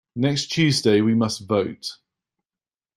Next Tuesday we must vote.